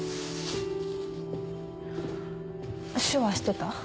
手話してた？